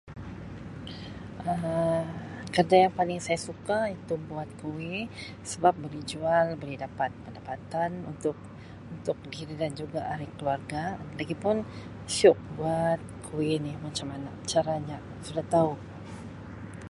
Um Kerja yang paling saya suka itu buat kuih sebab boleh jual boleh dapat pendapatan untuk-untuk diri dan ahli keluarga lagipun syiok buat kuih ni macam mana caranya sudah tau.